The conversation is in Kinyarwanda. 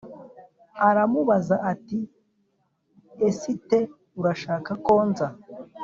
aramubaza ati Esite urashaka ko nza